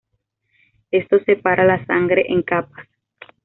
Esto separa la sangre en capas.